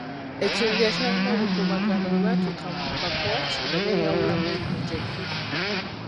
Ekibinja kyalina obukuubagano bwe kyatuuka mu Pakwach ne beeyawulamu ebibinja bibiri.